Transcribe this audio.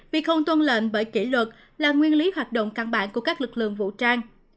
vì không tuân lệnh bởi kỷ luật là nguyên lý hoạt động căn bản của các lực lượng vũ trang